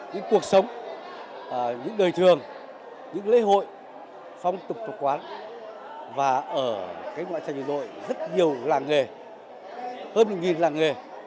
những cuộc sống những đời thường những lễ hội phong tục tập quán và ở ngoại thành hà nội rất nhiều làng nghề hơn một làng nghề